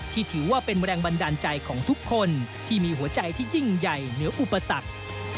ถือว่าเป็นแรงบันดาลใจของทุกคนที่มีหัวใจที่ยิ่งใหญ่เหนืออุปสรรค